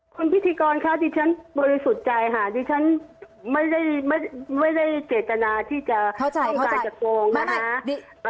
คุณพิธีกิร์นข้าวดิฉันบริสุทธิ์ใจ้วดิฉันไม่ได้เกตนะที่จะตอบจ่ายจากโลงนะคะ